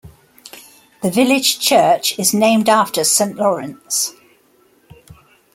The village church is named after Saint Lawrence.